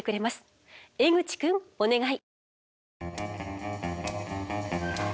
江口くんお願い！